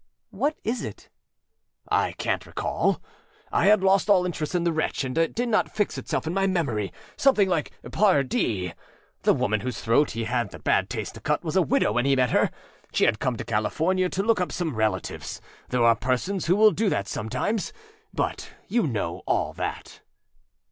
â âWhat is?â âI canât recall it. I had lost all interest in the wretch, and it did not fix itself in my memoryâsomething like Pardee. The woman whose throat he had the bad taste to cut was a widow when he met her. She had come to California to look up some relativesâthere are persons who will do that sometimes. But you know all that.